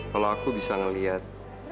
kalau aku bisa ngeliat